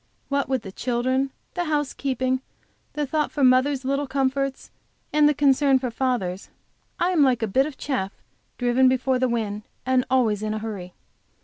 What with the children, the housekeeping, the thought for mother's little comforts and the concern for father's, I am like a bit of chaff driven before the wind, and always in a hurry.